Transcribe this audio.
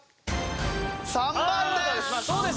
３番です。